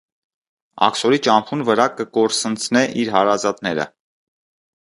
Աքսորի ճամբուն վրայ կը կորսնցնէ իր հարազատները։